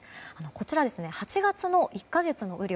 こちら、８月の１か月の雨量